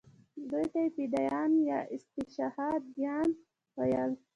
دوی ته یې فدایان یا استشهادیان ویل.